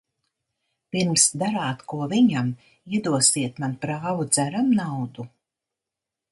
Pirms darāt ko viņam, iedosiet man prāvu dzeramnaudu?